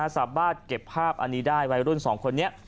สามารถเก็บภาพอันนี้ได้วัยรุ่น๒คนนี้